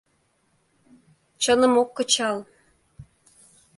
Чыным ок кычал.